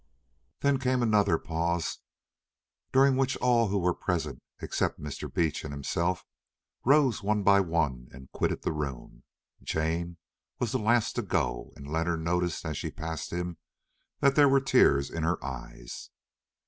Then came another pause, during which all who were present, except Mr. Beach and himself, rose one by one and quitted the room. Jane was the last to go, and Leonard noticed, as she passed him, that there were tears in her eyes.